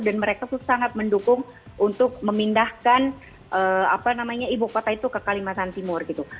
dan mereka itu sangat mendukung untuk memindahkan ibu kota itu ke kalimantan timur gitu